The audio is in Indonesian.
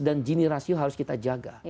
dan gini rasio harus kita jaga